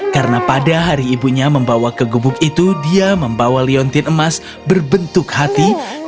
karena pada hari ibunya membawa ke gubuk itu dia membawa liontin emas berbentuk hati